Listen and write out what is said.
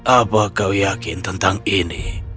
apa kau yakin tentang ini